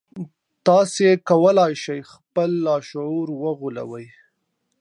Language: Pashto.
تاسې کولای شئ خپل لاشعور وغولوئ